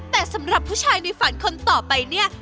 แต่สำหรับผู้ชายในฝันคนต่อไปเนี่ย